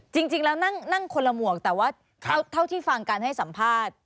จริงแล้วนั่งคนละหมวกแต่ว่าเท่าที่ฟังการให้สัมภาษณ์